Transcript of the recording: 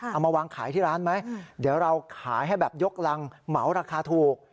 เอามาวางขายที่ร้านไหมเดี๋ยวเราขายให้แบบยกรังเหมาราคาถูก